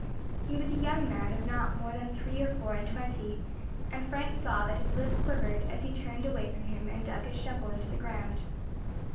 He was a young man of not more than three or four and twenty, and Frank saw that his lip quivered as he turned away from him and dug his shovel into the ground.